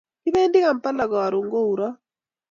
Kipendi kampla karun kourot